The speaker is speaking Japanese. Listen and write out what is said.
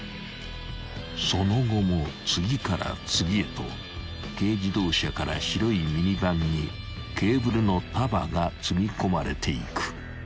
［その後も次から次へと軽自動車から白いミニバンにケーブルの束が積み込まれていく］